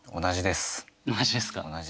同じです。